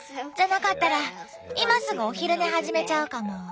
じゃなかったら今すぐお昼寝始めちゃうかも？